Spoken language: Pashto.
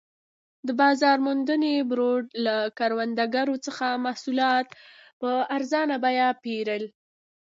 د بازار موندنې بورډ له کروندګرو څخه محصولات په ارزانه بیه پېرل.